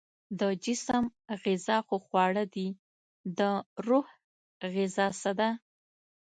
د جسم غذا خو خواړه دي، د روح غذا څه ده؟